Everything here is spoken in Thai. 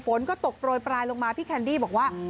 ฝนก็ตกโปรยปลายลงมาพี่แคนดี้บอกว่า